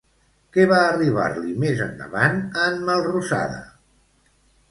Què va arribar-li més endavant a en Melrosada?